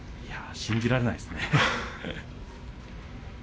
信じられないですね。